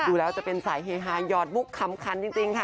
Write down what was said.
ดูแล้วจะเป็นสายเฮฮายอดมุกคำคันจริงค่ะ